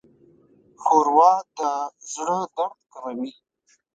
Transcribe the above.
ښوروا د زړه درد کموي.